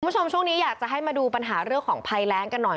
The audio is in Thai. คุณผู้ชมช่วงนี้อยากจะให้มาดูปัญหาเรื่องของภัยแรงกันหน่อย